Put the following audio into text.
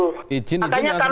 makanya kami mau megang